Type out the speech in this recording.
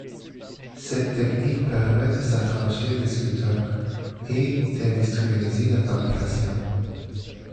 Cette technique permet de s'affranchir des sculpteurs, et d'industrialiser la fabrication.